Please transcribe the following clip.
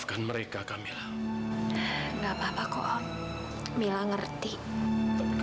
kamu kator tau gak